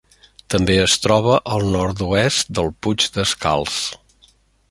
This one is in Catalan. També es troba al nord-oest del Puig Descalç.